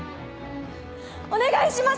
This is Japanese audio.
お願いします！